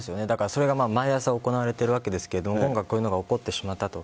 それが毎朝行われているわけですが今回、こういうのが起こってしまったと。